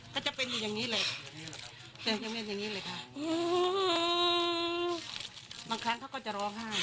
ก็จะเป็นอย่างนี้เลยอย่างนี้เลยค่ะบางครั้งเขาก็จะร้องห้าง